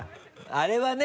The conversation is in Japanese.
あれはね